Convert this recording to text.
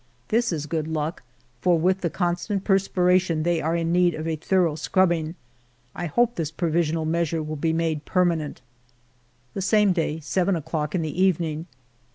This is good luck, for with the con stant perspiration they are in need of a thorough scrubbing. I hope this provisional measure will be made permanent. ALFRED DREYFUS 127 ^he same day, 7 o'clock in the evening.